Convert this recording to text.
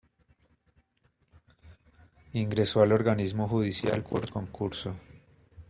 Ingresó al Organismo Judicial por concurso.